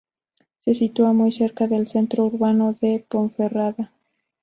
Se sitúa muy cerca del centro urbano de Ponferrada.